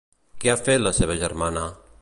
Què ha fet la seva germana?